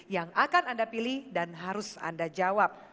yang akan anda pilih dan harus anda jawab